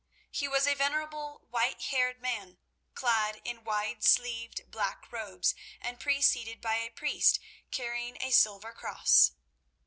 He was a venerable, white haired man, clad in wide sleeved, black robes, and preceded by a priest carrying a silver cross.